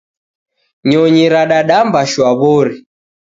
Nyonyi radadamba shwa wori.